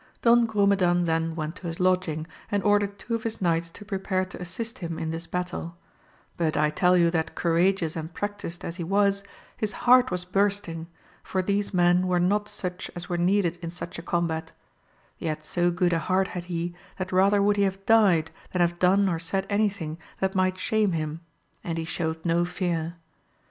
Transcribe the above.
Don Grumedan then went to his lodging and ordered two of his knights to prepare to assist him in this battle ; but I tell you that courageous and practised as he was, his heart was bursting, for these men were not such as were needed in such a combat ; yet so good a heart had he, that rather would he have died, than have done or said any thing that might shame him ; and he shewed no fear.